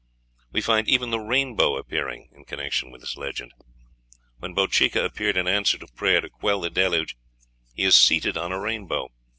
We find even the rainbow appearing in connection with this legend. When Bochica appeared in answer to prayer to quell the deluge he is seated on a rainbow.